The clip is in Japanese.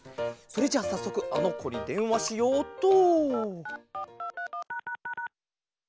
それじゃあさっそくあのこにでんわしようっと。